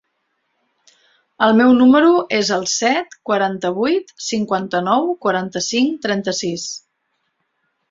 El meu número es el set, quaranta-vuit, cinquanta-nou, quaranta-cinc, trenta-sis.